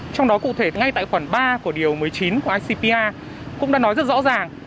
trong đó cụ thể ngay tại khoản ba của điều một mươi chín của icpa cũng đã nói rất rõ ràng